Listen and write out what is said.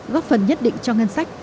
góp phần nhất định cho ngân sách